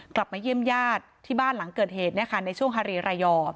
กลับมาเยี่ยมญาติที่บ้านหลังเกิดเหตุในช่วงฮารีรายอ